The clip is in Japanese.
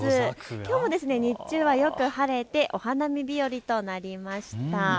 きょうも日中はよく晴れてお花見日和となりました。